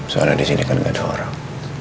soalnya disini kan gak ada orang